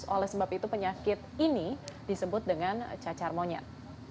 oleh sebab itu penyakit ini disebut dengan cacar monyet